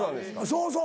そうそう。